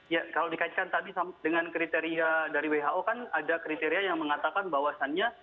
ya kalau dikaitkan tadi dengan kriteria dari who kan ada kriteria yang mengatakan bahwasannya